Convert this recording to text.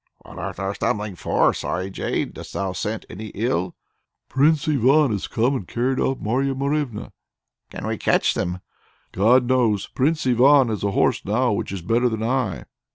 "What art thou stumbling for, sorry jade? dost thou scent any ill?" "Prince Ivan has come and carried off Marya Morevna." "Can we catch them?" "God knows! Prince Ivan has a horse now which is better than I."